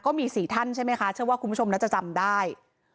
ก็มี๔ท่านใช่ไหมคะเชื่อว่าคุณผู้ชมน่าจะจำได้